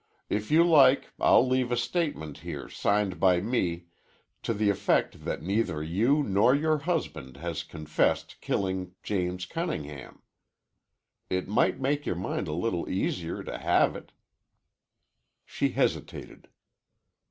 If you like I'll leave a statement here signed by me to the effect that neither you nor your husband has confessed killing James Cunningham. It might make your mind a little easier to have it." She hesitated.